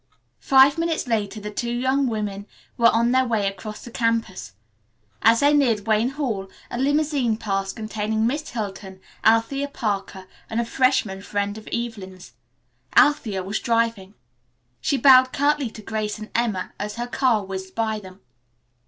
Five minutes later the two young women were on their way across the campus. As they neared Wayne Hall a limousine passed containing Miss Hilton, Althea Parker and a freshman friend of Evelyn's. Althea was driving. She bowed curtly to Grace and Emma as her car whizzed by them.